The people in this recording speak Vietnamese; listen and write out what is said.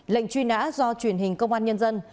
lệnh truy nã do truyền hình công an nhân dân